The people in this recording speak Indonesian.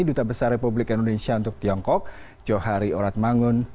duta besar republik indonesia untuk tiongkok johari oratmangun